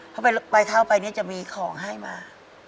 เพราะไปเท่าไปจะมีของให้มา